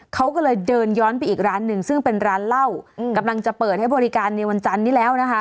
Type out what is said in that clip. เขาก็เลยเดินย้อนไปอีกร้านหนึ่งซึ่งเป็นร้านเหล้ากำลังจะเปิดให้บริการในวันจันทร์นี้แล้วนะคะ